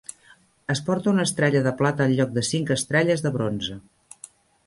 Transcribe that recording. Es porta una estrella de plata en lloc de cinc estrelles de bronze.